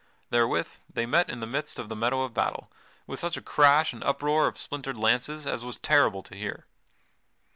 Therewith they met in the midst of the meadow of battle, with such a crash and uproar of splintered lances as was terrible to hear.